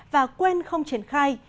và quên không triển khai